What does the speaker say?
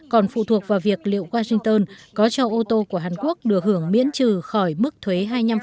còn phụ thuộc vào việc liệu washington có cho ô tô của hàn quốc được hưởng miễn trừ khỏi mức thuế hai mươi năm